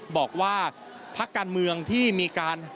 บอกว่าพักการเมืองที่มีการ